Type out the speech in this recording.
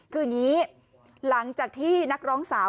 คืออย่างนี้หลังจากที่นักร้องสาว